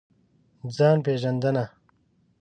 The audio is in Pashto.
ځان پېژندنه.